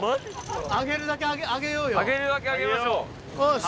上げるだけ上げましょう。